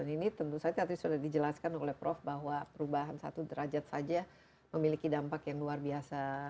ini tentu saja tadi sudah dijelaskan oleh prof bahwa perubahan satu derajat saja memiliki dampak yang luar biasa